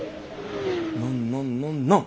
ノンノンノンノン。